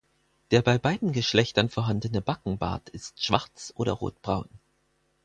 Der bei beiden Geschlechtern vorhandene Backenbart ist schwarz oder rotbraun.